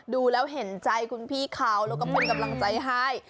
ดูแล้วเห็นใจคุณพี่เขาแล้วก็เป็นกำลังใจให้